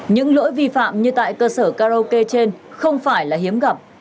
những lỗi vi phạm như tại cơ sở karaoke trên không phải là hiếm gặp